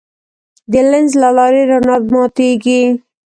د لینز له لارې رڼا ماتېږي.